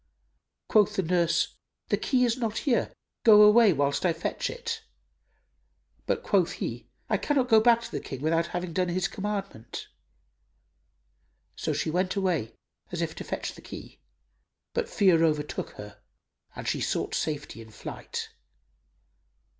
Quoth the nurse, "The key is not here, go away, whilst I fetch it;" but quoth he, "I cannot go back to the King without having done his commandment." So she went away, as if to fetch the key; but fear overtook her and she sought safety in flight.